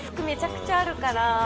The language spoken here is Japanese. めちゃくちゃあるから。